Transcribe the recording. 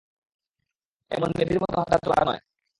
এমন নেভির মতো হাঁটাচলা করে নয়।